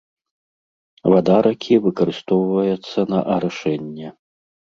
Вада ракі выкарыстоўваецца на арашэнне.